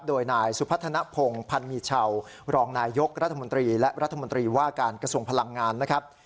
โดยนายสุพัฒนภงพันมีเช่ารองนายยกรัฐมนตรีและรัฐมนตรีว่าการกระทรวงพลังงานนะครับ